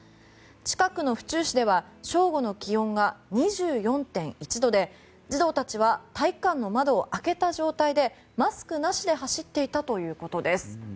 近くの府中市では正午の気温が２４．１度で児童たちは体育館の窓を開けた状態でマスクなしで走っていたということです。